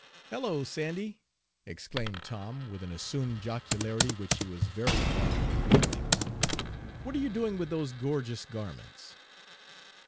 "Hello, Sandy," exclaimed Tom, with an assumed jocularity which he was very far from feeling, "what are you doing with those gorgeous garments?"